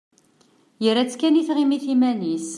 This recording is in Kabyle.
Yerra-tt kan i tɣimit iman-is.